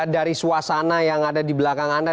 dari suasana yang ada di belakang anda